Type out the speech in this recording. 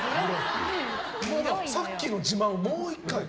さっきの自慢もう１回？